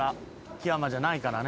木山じゃないからね。